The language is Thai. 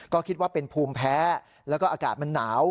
ก็คิดว่าเป็นภูมิแพ้แล้วก็อากาศมันหนาว